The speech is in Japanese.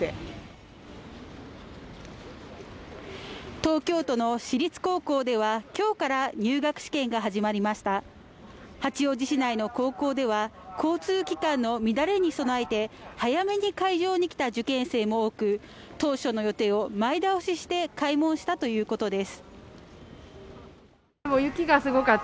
東京都の私立高校では今日から入学試験が始まりました八王子市内の高校では交通機関の乱れに備えて早めに会場に来た受験生も多く当初の予定を前倒しして開門したということです